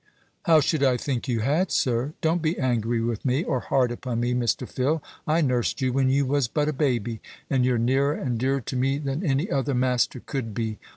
"How should I think you had, sir? Don't be angry with me, or hard upon me, Mr. Phil. I nursed you when you was but a baby, and you're nearer and dearer to me than any other master could be.